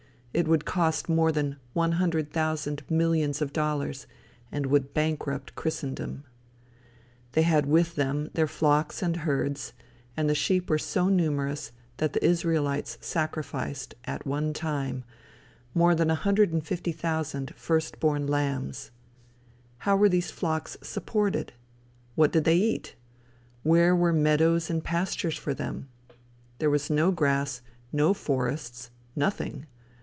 It would cost more than one hundred thousand millions of dollars, and would bankrupt Christendom. They had with them their flocks and herds, and the sheep were so numerous that the Israelites sacrificed, at one time, more than one hundred and fifty thousand first born lambs. How were these flocks supported? What did they eat? Where were meadows and pastures for them? There was no grass, no forests nothing!